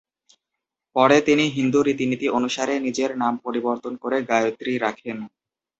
পরে তিনি হিন্দু রীতিনীতি অনুসারে নিজের নাম পরিবর্তন করে গায়ত্রী রাখেন।